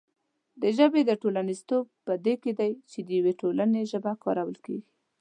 د ژبې ټولنیزتوب په دې کې دی چې د یوې ټولنې ژبه کارول کېږي.